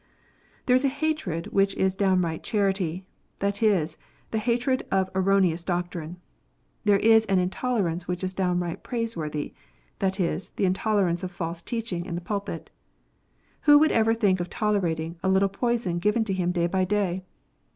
There is a hatred which is down right charity, that is, the hatred of erroneous doctrine. There is an intolerance which is downright praiseworthy, that is, the intolerance of false teaching in the pulpit. Who would ever think of tolerating a little poison given to him day by day